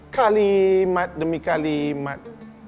kalimat demi kalimat